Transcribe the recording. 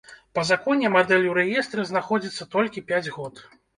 Па законе мадэль у рэестры знаходзіцца толькі пяць год.